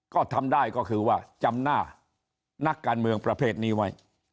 ก็ทำได้ก็คือว่าจำหน้านักการเมืองประเภทนี้ไว้